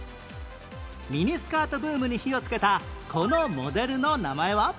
ミニスカートブームに火をつけたこのモデルの名前は？